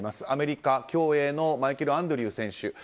アメリカ、競泳のマイケル・アンドリュー選手。